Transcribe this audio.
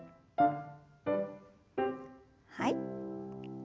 はい。